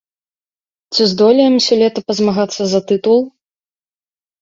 Ці здолеем сёлета пазмагацца за тытул?